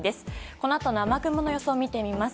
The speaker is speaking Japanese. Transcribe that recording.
このあとの雨雲の予想を見てみます。